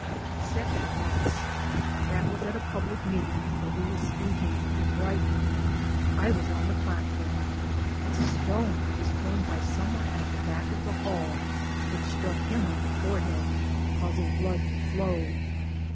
Except once. That was at a public meeting; when he was speaking, at Brighton. I was on the platform. A stone was thrown by some one at the back of the hall, which struck him on the forehead, causing blood to flow.